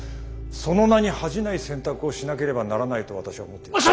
その名に恥じない選択をしなければならないと私は思っています。